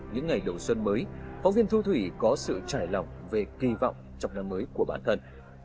những ngày đầu xuân mới phóng viên thu thủy có sự trải lòng về kỳ vọng trong năm mới của bản thân